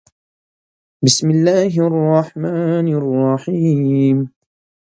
《بِسْمِ اللَّـهِ الرَّحْمَـٰنِ الرَّحِيمِ》